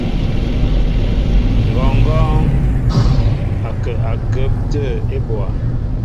Ŋgɔɔŋgɔn ó kǝǝ agǝǝp atǝǝ ebóá.